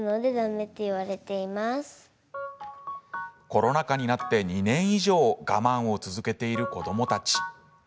コロナ禍になって２年以上我慢を続けている子どもたち。